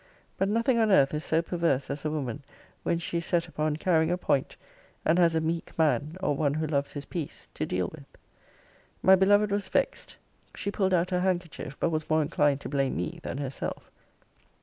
But nothing on earth is so perverse as a woman, when she is set upon carrying a point, and has a meek man, or one who loves his peace, to deal with. My beloved was vexed. She pulled out her handkerchief: but was more inclined to blame me than herself.